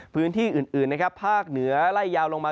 พื้นที่อื่นนะครับภาคเหนือไล่ยาวลงมา